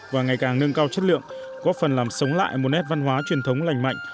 và ngày càng nâng cao chất lượng góp phần làm sống lại một nét văn hóa truyền thống lành mạnh